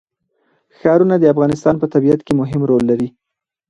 ښارونه د افغانستان په طبیعت کې مهم رول لري.